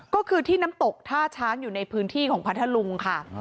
ก็คือที่น้ำตกท่าช้างอยู่ในพื้นที่ของพัทธลุงค่ะ